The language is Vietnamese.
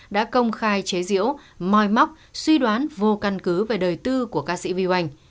đã công khai chế diễu mòi móc suy đoán vô căn cứ về đời tư của ca sĩ vy oanh